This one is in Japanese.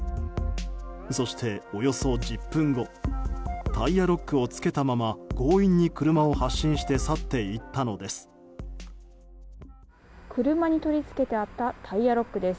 そして、およそ１０分後タイヤロックを付けたまま強引に車を発進して去っていったのです。